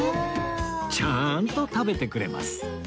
ちゃんと食べてくれます